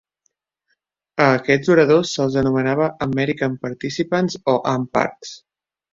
A aquests oradors se'ls anomenava "American Participants" o "AmParts".